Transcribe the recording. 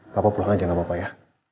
bapak pulang aja gak apa apa ya